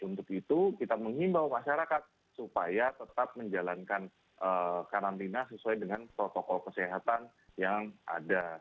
untuk itu kita mengimbau masyarakat supaya tetap menjalankan karantina sesuai dengan protokol kesehatan yang ada